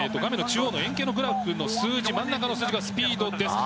中央の円形のグラフの数字真ん中の数字がスピードです。